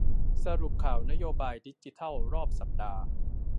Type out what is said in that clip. สรุปข่าวนโยบายดิจิทัลรอบสัปดาห์